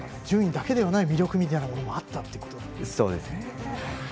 順位だけではない魅力みたいなものもあったということですね。